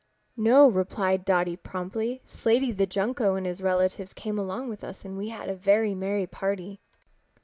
"No," replied Dotty promptly. "Slaty the Junco and his relatives came along with us and we had a very merry party."